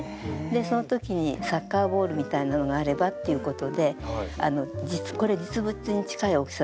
そのときにサッカーボールみたいなのがあればっていうことでこれ実物に近い大きさだったと思うんですけど